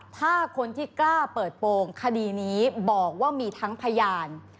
ถ้าคนที่กล้าเปิดโปรงคดีนี้บอกว่ามีทั้งพยาน